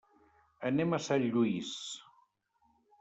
Anem a Sant Lluís.